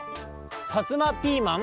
さつまピーマン？